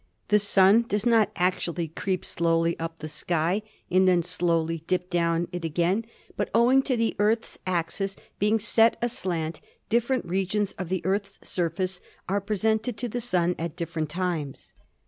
The Sun does not actually creep slowly up the sky and then slowly dip down it again, but owing to the Earth's axis being set aslant, different regions of the Earth's surface are presented to the Sun at different times.